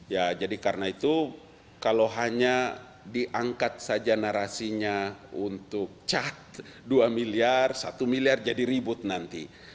ya jadi karena itu kalau hanya diangkat saja narasinya untuk cat dua miliar satu miliar jadi ribut nanti